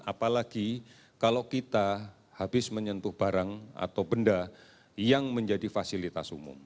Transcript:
apalagi kalau kita habis menyentuh barang atau benda yang menjadi fasilitas umum